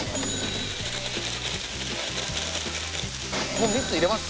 もう３つ入れます？